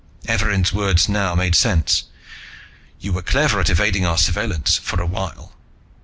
Evarin's words now made sense: "_You were clever at evading our surveillance for a while.